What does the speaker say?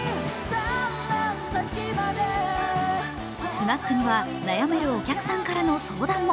スナックには悩めるお客さんからの相談も。